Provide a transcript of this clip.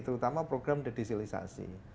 terutama program dedesilisasi